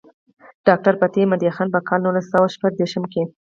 ډاکټر فتح مند خان پۀ کال نولس سوه شپږ دېرشم کښې